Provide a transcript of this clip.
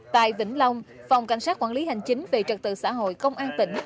tại vĩnh long phòng cảnh sát quản lý hành chính về trật tự xã hội công an tỉnh